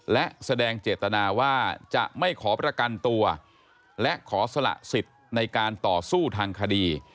และแสดงเจตนาว่าจะไม่ขอประกันตัวและขอสละสิทธิ์ในการต่อสู้ทางคดี